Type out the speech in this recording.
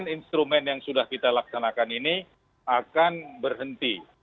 instrumen yang sudah kita laksanakan ini akan berhenti